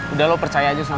udah lo percaya aja sama gue